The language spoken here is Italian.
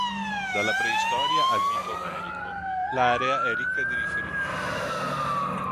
Dalla preistoria al mito omerico l'area è ricca di riferimenti.